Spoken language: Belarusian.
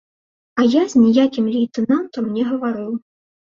А я з ніякім лейтэнантам не гаварыў.